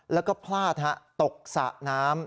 แล้วก็พลาดตกสระน้ำ